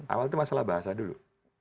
awal itu masalah bahasa dulu